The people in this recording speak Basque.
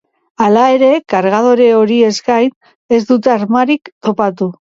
Hala ere, kargadore horiez gain ez dute armarik topatu.